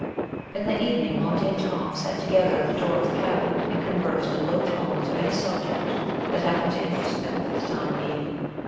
In the evening Monty and Tom sat together at the door of the cabin, and conversed in low tones of any subject that happened to interest them for the time being.